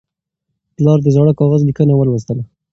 پلار د زاړه کاغذ لیکنه ولوستله.